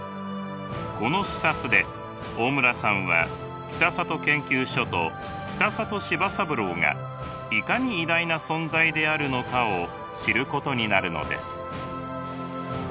この視察で大村さんは北里研究所と北里柴三郎がいかに偉大な存在であるのかを知ることになるのです。